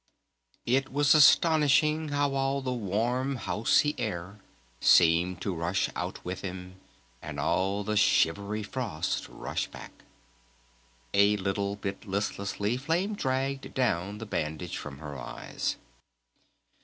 It was astonishing how all the warm housey air seemed to rush out with him, and all the shivery frost rush back. A little bit listlessly Flame dragged down the bandage from her eyes.